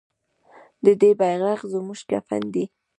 د دې بیرغ زموږ کفن دی؟